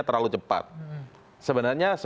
terlalu cepat sebenarnya